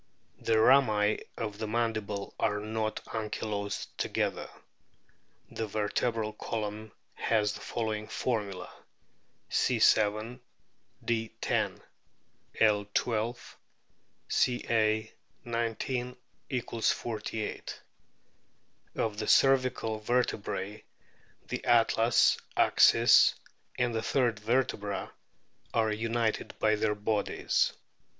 The rami of the mandible are not ankylosed together. The vertebral column has the following formula : C. 7 ; D. 10 ; L. 12; Ca. 19 = 48. Of the cervical vertebrae the atlas, axis, and the third vertebra are united by their bodies.